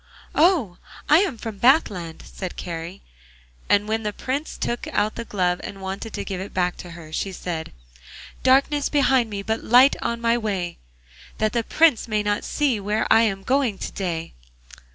'Oh! I am from Bathland,' said Kari. And when the Prince took out the glove and wanted to give it back to her, she said: 'Darkness behind me, but light on my way, That the Prince may not see where I'm going to day!